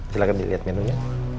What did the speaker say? silahkan dilihat menunya